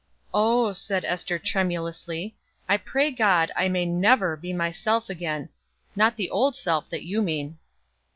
"Oh," said Ester, tremulously, "I pray God I may never be myself again; not the old self that you mean."